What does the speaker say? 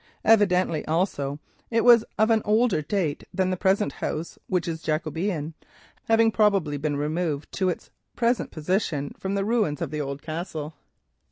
Evidently, also, it was of an older date than the present house, which is Jacobean, having probably been removed to its present position from the ruins of the Castle.